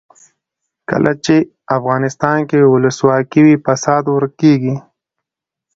کله چې افغانستان کې ولسواکي وي فساد ورک کیږي.